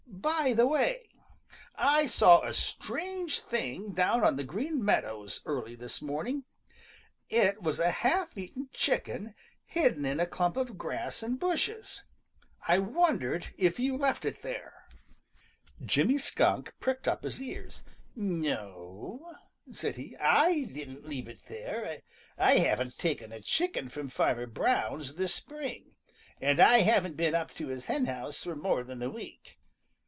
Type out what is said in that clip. By the way, I saw a strange thing down on the Green Meadows early this morning. It was a half eaten chicken hidden in a clump of grass and bushes. I wondered if you left it there." Jimmy Skunk pricked up his ears. "No," said he, "I didn't leave it there. I haven't taken a chicken from Farmer Brown's this spring, and I haven't been up to his hen house for more than a week.